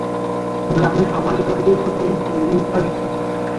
ক্ষোভের আগুনে ওয়ার্নকে পোড়াতে গিয়ে কিছুটা পোড়ালেন ইংলিশ বোলার বেন স্টোকসকেও।